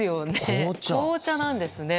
紅茶なんです。